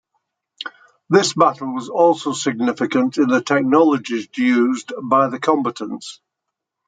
This battle was also significant in the technologies used by the combatants.